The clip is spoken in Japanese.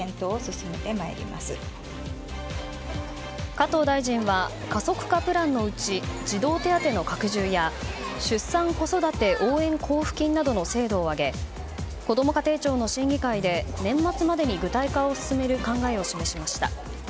加藤大臣は加速化プランのうち児童手当の拡充や出産・子育て応援交付金などの制度を挙げこども家庭庁の審議会で年末までに具体化を進める考えを示しました。